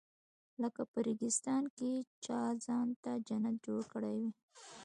لکه په ریګستان کې چا ځان ته جنت جوړ کړی وي.